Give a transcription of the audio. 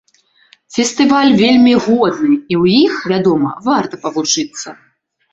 Фестываль вельмі годны, і ў іх, вядома, варта павучыцца.